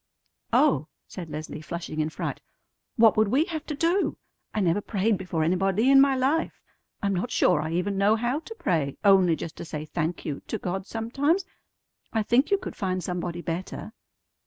"Oh!" said Leslie, flushing in fright, "what would we have to do? I never prayed before anybody in my life. I'm not sure I even know how to pray, only just to say 'Thank you' to God sometimes. I think you could find somebody better."